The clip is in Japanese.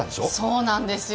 そうなんですよ、